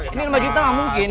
ini lima juta nggak mungkin